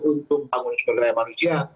untuk membangun sekolah kuliah manusia